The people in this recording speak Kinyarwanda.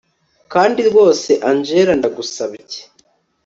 kandi rwose angella ndagusabye